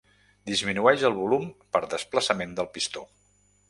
Disminueix el volum per desplaçament del pistó.